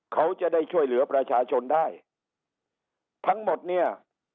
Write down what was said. เขาจะได้ช่วยเหลือประชาชนได้ทั้งหมดเนี่ย